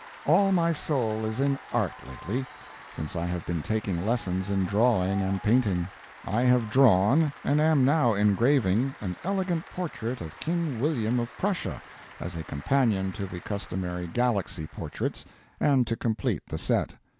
All my soul is in Art lately, since I have been taking lessons in drawing and painting. I have drawn, and am now engraving, an elegant portrait of King William of Prussia, as a companion to the customary GALAXY portraits, and to complete the set.